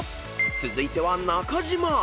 ［続いては中島］